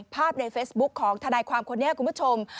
ในเฟซบุ๊คของทนายความคนนี้คุณผู้ชม